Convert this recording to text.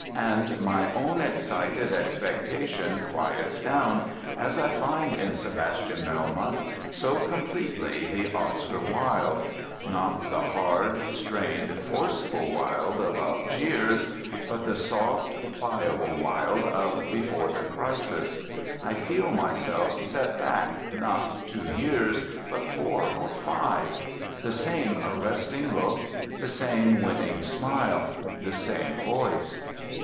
And my own excited ex pectation quiets down as I find in Sebas tian Melmoth so completely the Oscar Wilde, not the hard, strained, force ful Wilde of Algiers, but the soft, pliable 48 ANDRE GIDE Wilde of before the crisis; I feel myself set back not two years, but four or five; the same arresting look, the same win ning smile, the same voice.